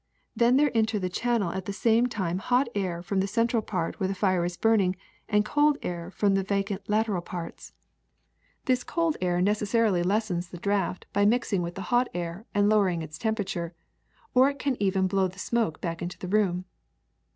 Then there enter the channel at the same time hot air from the central part where the fire is burning and cold air from the vacant lateral parts. This cold air HEATING 133 necessarily lessens the draft by mixing with the hot air and lowering its temperature ; or it can even blow the smoke back into the room.